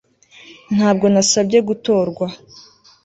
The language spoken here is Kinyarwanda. Ntabwo nasabye gutorwa